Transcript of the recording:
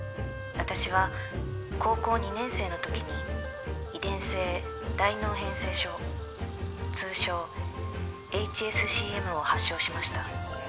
私は高校２年生の時に遺伝性大脳変性症通称ＨＳＣＭを発症しました。